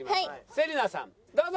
芹那さんどうぞ！